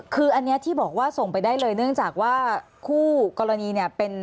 คืออันนี้ที่บอกว่าส่งไปได้เลยเนื่องจากว่าคู่กรณีเนี่ยเป็น